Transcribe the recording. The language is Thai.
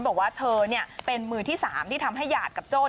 บอกว่าเธอเป็นมือที่๓ที่ทำให้หยาดกับโจ้